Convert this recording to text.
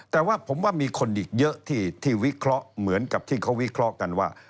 แต่ว่าผมว่ามีคนอีกเยอะที่วิเคราะห์เหมือนกับที่เขาวิเคราะห์กันว่า